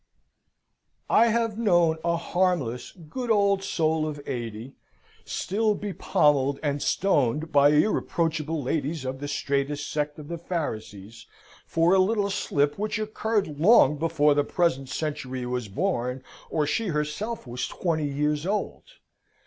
I have known a harmless, good old soul of eighty, still bepommelled and stoned by irreproachable ladies of the straitest sect of the Pharisees, for a little slip which occurred long before the present century was born, or she herself was twenty years old.